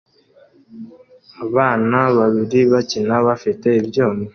Abana babiri bakina bafite ibyuma